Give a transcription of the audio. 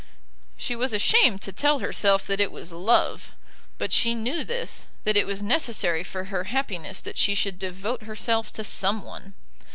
She was ashamed to tell herself that it was love. But she knew this, that it was necessary for her happiness that she should devote herself to some one.